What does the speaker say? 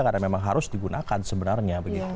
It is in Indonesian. karena memang harus digunakan sebenarnya begitu